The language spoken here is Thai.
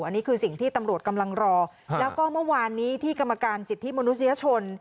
อันนี้คือสิ่งที่ตำรวจกำลังรอแล้วก็เมื่อวานนี้ที่กรรมการสิทธิมนุษยชน